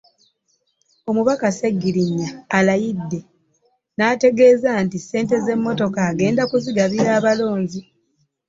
Omubaka Ssegirinnya alayidde n'ategeeza nti ssente z'emmotoka agenda kuzigabira abalonzi